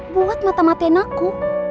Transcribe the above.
buat mata matian aku